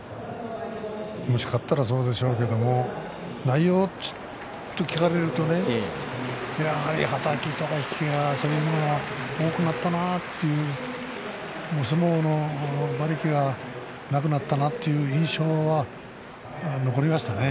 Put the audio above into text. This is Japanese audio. もし勝ったらそうでしょうけど内容を聞かれるとねやはり、はたきとか引きが多くなったなという相撲も馬力がなくなったなという印象は残りましたね。